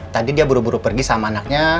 tadi dia buru buru pergi sama anaknya